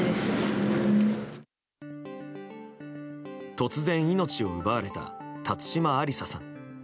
突然、命を奪われた辰島ありささん。